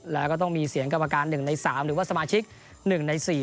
แล้วก็ต้องมีเสียงกรรมการ๑ใน๓หรือว่าสมาชิก๑ใน๔